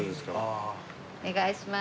お願いします。